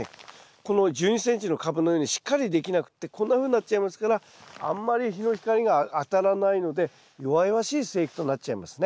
この１２ｃｍのカブのようにしっかりできなくってこんなふうになっちゃいますからあんまり日の光が当たらないので弱々しい生育となっちゃいますね。